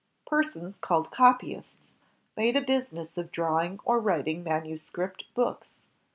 Persons called copjdsts made a business of drawing or writing manuscript books.